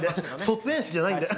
卒園式じゃないんで。